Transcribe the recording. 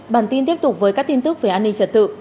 bản tin tiếp tục với các tin tức về an ninh trật tự